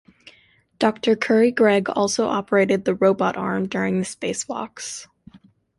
Doctor Currie-Gregg also operated the robot arm during the space walks.